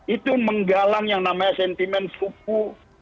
itu menggalang yang namanya sentimen suku